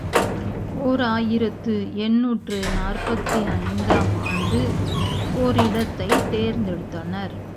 ஓர் ஆயிரத்து எண்ணூற்று நாற்பத்தைந்து ஆம் ஆண்டு ஓரிடத்தைத் தேர்ந்தெடுத்தனர்.